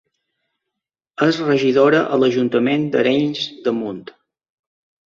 És regidora a l'Ajuntament d'Arenys de Munt.